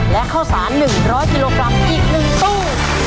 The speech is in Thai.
และข้าวสาร๑๐๐กิโลกรัมอีก๑ตู้